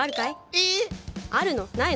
ええ⁉あるの？ないの？